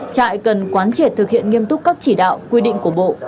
trại cần quán triệt thực hiện nghiêm túc các chỉ đạo quy định của bộ